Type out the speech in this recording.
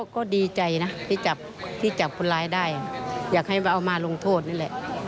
ก็ดีใจนะที่จับคนร้ายได้อยากให้เอามาลงโทษนี่แหละ